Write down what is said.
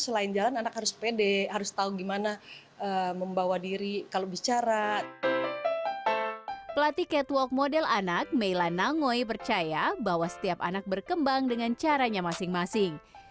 eksistensi model cilik mulai naik daun beberapa waktu belakangan